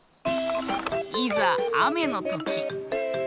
いざあめのとき！